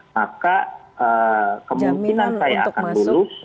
maka kemungkinan saya akan lulus